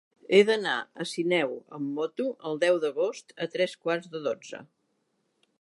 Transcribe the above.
He d'anar a Sineu amb moto el deu d'agost a tres quarts de dotze.